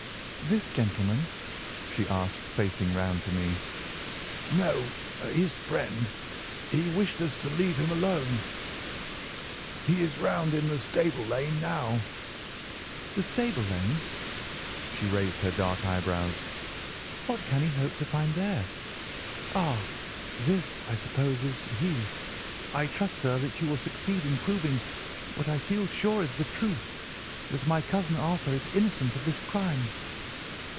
"This gentleman?" she asked, facing round to me. "No, his friend. He wished us to leave him alone. He is round in the stable lane now." "The stable lane?" She raised her dark eyebrows. "What can he hope to find there? Ah! this, I suppose, is he. I trust, sir, that you will succeed in proving, what I feel sure is the truth, that my cousin Arthur is innocent of this crime."